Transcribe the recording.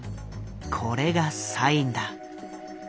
これがサインだ。